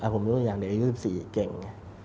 ผมรู้อย่างเด็กอายุ๑๔เก่ง